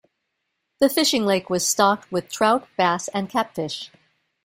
The fishing lake was stocked with trout, bass and catfish.